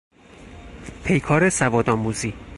پیکار سواد آموزی